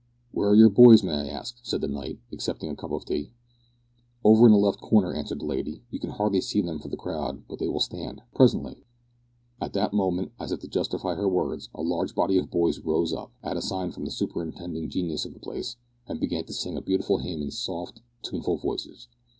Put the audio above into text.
"Where are your boys, may I ask?" said the knight, accepting a cup of tea. "Over in the left corner," answered the lady. "You can hardly see them for the crowd, but they will stand presently." At that moment, as if to justify her words, a large body of boys rose up, at a sign from the superintending genius of the place, and began to sing a beautiful hymn in soft, tuneful voices.